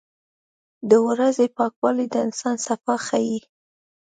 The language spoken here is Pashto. • د ورځې پاکوالی د انسان صفا ښيي.